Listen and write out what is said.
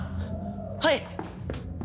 はい！